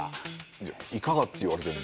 いやいかがって言われても。